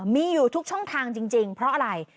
มีอยู่ทุกช่องทางจริงเพราะอะไร